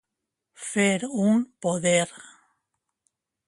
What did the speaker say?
Fer un poder.